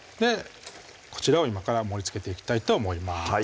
こちらを今から盛りつけていきたいと思います